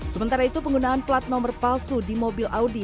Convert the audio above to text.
sementara itu penggunaan plat nomor palsu di mobil audi